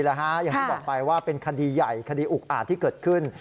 อย่างที่บอกไปว่าเป็นคดีใหญ่คดีอุกอาจที่เกิดขึ้น